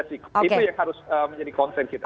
itu yang harus menjadi concern kita